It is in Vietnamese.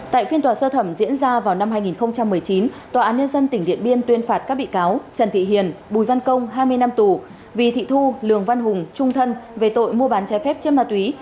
tại phiên tòa sơ thẩm diễn ra vào năm hai nghìn một mươi chín tòa án nhân dân tỉnh điện biên tuyên phạt các bị cáo trần thị hiền bùi văn công hai mươi năm tù vì thị thu lường văn hùng trung thân về tội mua bán trái phép chân ma túy